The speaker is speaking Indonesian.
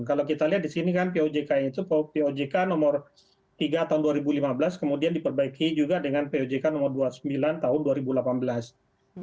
kalau kita lihat di sini kan pojk itu pojk nomor tiga tahun dua ribu lima belas kemudian diperbaiki juga dengan pojk nomor dua puluh sembilan tahun dua ribu delapan belas